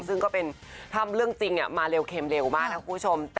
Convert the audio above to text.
ซึ่งก็เป็นถ้าเรื่องจริงมาเร็วเข็มเร็วมากนะคุณผู้ชม